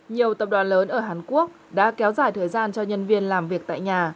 nhiều tập đoàn lớn ở hàn quốc đã kéo dài thời gian cho nhân viên làm việc tại nhà